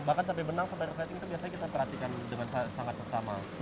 bahkan sampai benang sampai refleksing itu biasanya kita perhatikan dengan sangat seksama